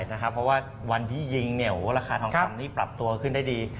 ใช่นะครับเพราะว่าวันที่ยิงเนี่ยโอ้โหราคาทองคำนี้ปรับตัวขึ้นได้ดี